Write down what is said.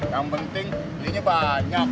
yang penting belinya banyak